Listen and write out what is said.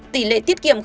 tỷ lệ tiết kiệm bốn